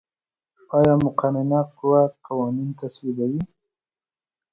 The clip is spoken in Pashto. آیا مقننه قوه قوانین تصویبوي؟